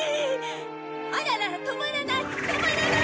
あららら止まらない止まらない！